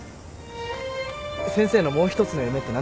先生のもう一つの夢って何だったんだ？